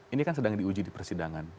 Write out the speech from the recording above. ini kan sedang diuji di persidangan